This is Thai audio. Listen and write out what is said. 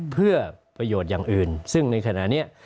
เพื่อประโยชน์อย่างอื่นซึ่งในขณะนี้